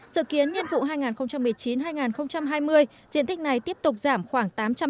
dự kiến nhiên vụ hai nghìn một mươi chín hai nghìn hai mươi diện tích này tiếp tục giảm khoảng tám trăm linh ha